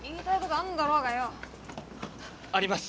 あります！